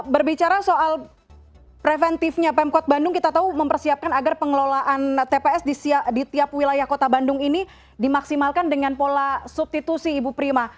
berbicara soal preventifnya pemkot bandung kita tahu mempersiapkan agar pengelolaan tps di tiap wilayah kota bandung ini dimaksimalkan dengan pola substitusi ibu prima